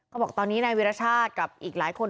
บอกตอนนี้นายวิรชาติกับอีกหลายคน